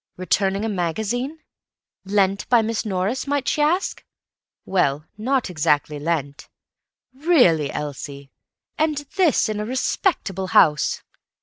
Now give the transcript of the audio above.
Returning a magazine? Lent by Miss Norris, might she ask? Well, not exactly lent. Really, Elsie!—and this in a respectable house!